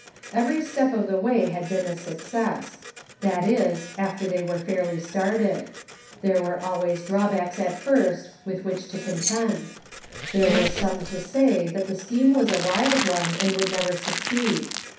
Every step of the way had been a success. That is, after they were fairly started ; there are always draw backs at first with which to contend. There were some to say that the scheme was a wild one, and would never succeed.